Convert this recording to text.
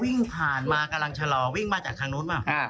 วิ่งผ่านมากำลังชะลอวิ่งมาจากทางนู้นเปล่า